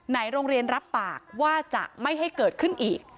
โรงเรียนรับปากว่าจะไม่ให้เกิดขึ้นอีก